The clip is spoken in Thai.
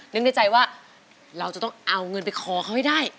นึกในใจว่าเราจะต้องเอาเงินไปขอเขาให้ได้